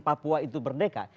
papua itu berdeka